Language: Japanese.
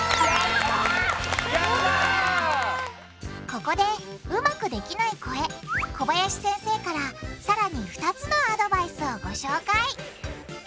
ここでうまくできない子へ小林先生からさらに２つのアドバイスをご紹介！